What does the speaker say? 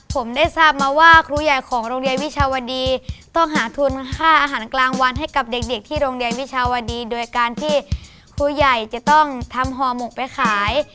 ผมได้ทราบมาว่าครูใหญ่ของโรงเรียนวิชาวดีต้องหาทุนค่าอาหารกลางวันให้กับเด็กที่โรงเรียนวิชาวดีโดยการที่ครูใหญ่จะต้องทำห่อหมกไปขาย